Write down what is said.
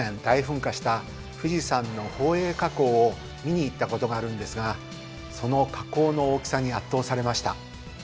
大噴火した富士山の宝永火口を見に行ったことがあるんですがその火口の大きさに圧倒されました。